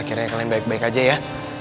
akhirnya kalian baik baik aja ya